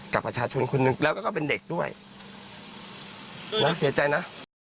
กับประชาชนคนหนึ่งแล้วก็เป็นเด็กด้วยนะเสียใจนะ